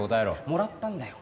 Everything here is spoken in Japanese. もらったんだよ。